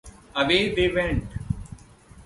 Away they went.